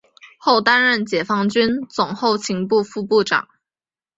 后担任解放军总后勤部副部长。